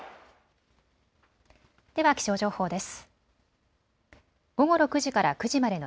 では気象情報です。